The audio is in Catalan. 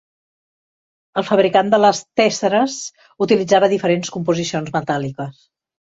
El fabricant de les tésseres utilitzava diferents composicions metàl·liques.